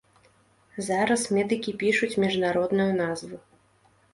Зараз медыкі пішуць міжнародную назву.